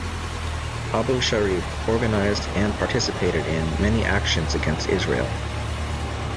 Abu Sharif organized, and participated in, many actions against Israel.